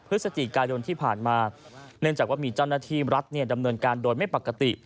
พฤศจิกายนที่ผ่านมาเนื่องจากว่ามีเจ้าหน้าที่รัฐดำเนินการโดยไม่ปกติ